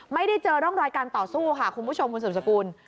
ไม่ได้เจอร่องรอยการต่อสู้ค่ะคุณผู้ชมคุณสืบสกุล